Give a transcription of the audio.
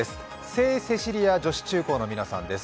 聖セシリア女子中・高の皆さんです